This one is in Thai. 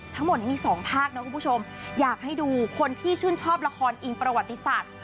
ทั้งหมดนี้มีสองภาคนะคุณผู้ชมอยากให้ดูคนที่ชื่นชอบละครอิงประวัติศาสตร์